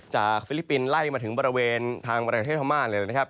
ฟิลิปปินส์ไล่มาถึงบริเวณทางประเทศพม่าเลยนะครับ